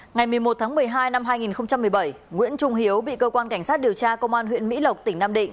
ngày một mươi một tháng một mươi hai năm hai nghìn một mươi bảy nguyễn trung hiếu bị cơ quan cảnh sát điều tra công an huyện mỹ lộc tỉnh nam định